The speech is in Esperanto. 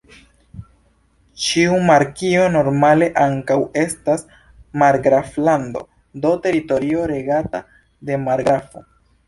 Ĉiu markio normale ankaŭ estas margraflando, do, teritorio regata de margrafo.